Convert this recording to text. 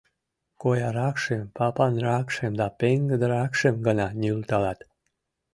Кояракшым, папанракшым да пеҥгыдыракшым гына нӧлталат.